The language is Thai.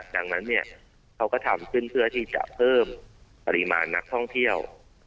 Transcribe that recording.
ดังนั้นเนี่ยเขาก็ทำขึ้นเพื่อที่จะเพิ่มปริมาณนักท่องเที่ยว